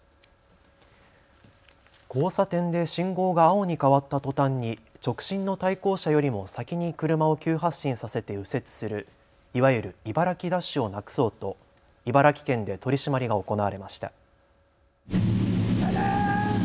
交差点で信号が青に変わったとたんに直進の対向車よりも先に車を急発進させて右折するいわゆる茨城ダッシュをなくそうと茨城県で取締りが行われました。